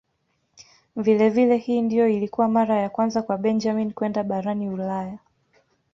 Vilevile hii ndiyo ilikuwa mara ya kwanza kwa Benjamin kwenda barani Ulaya.